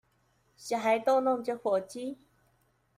小孩逗弄著火雞